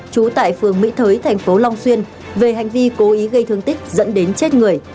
trú tại phường mỹ thới thành phố long xuyên về hành vi cố ý gây thương tích dẫn đến chết người